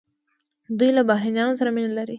دوی له بهرنیانو سره مینه لري.